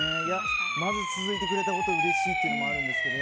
まず、続いてくれたことがうれしいというのがあるんですけど、